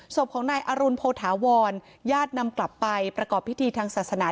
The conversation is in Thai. ศพของนายอรุณโพธาวรญาตินำกลับไปประกอบพิธีทางศาสนา